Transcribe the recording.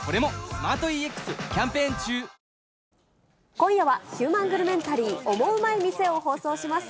今夜はヒューマングルメンタリー、オモウマい店を放送します。